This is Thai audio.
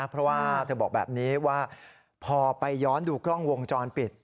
เพราะว่าเธอบอกแบบนี้ว่าพอไปย้อนดูกล้องวงจรปิด